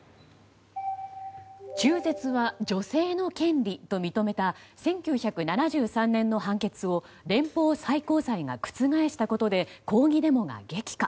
中絶は女性の権利と認めた１９７３年の判決を連邦最高裁が覆したことで抗議デモが激化。